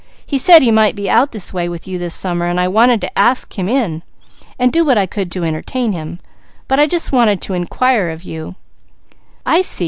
He said he might be out this way with you this summer and I wanted to ask him in, and do what I could to entertain him; but first I wanted to inquire of you " "I see!"